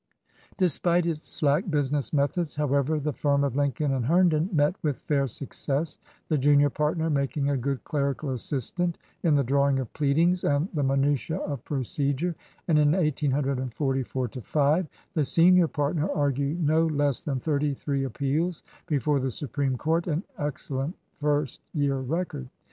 Despite its slack business methods, however, the firm of Lincoln & Herndon met with fair success, the junior partner making a good cleri cal assistant in the drawing of pleadings and the minutiae of procedure, and in 1844 5 the senior partner argued no less than thirty three appeals before the Supreme Court, an excellent first year record.